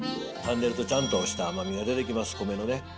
かんでるとちゃんとした甘みが出てきます、米のね。